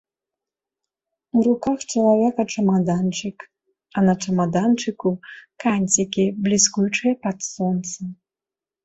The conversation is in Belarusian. У руках чалавека чамаданчык, а на чамаданчыку канцікі бліскучыя пад сонца.